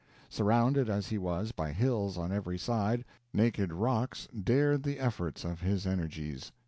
Surrounded as he was by hills on every side, naked rocks dared the efforts of his energies.